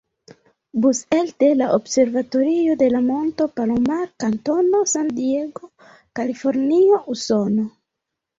Bus elde la Observatorio de la Monto Palomar, kantono San Diego, Kalifornio, Usono.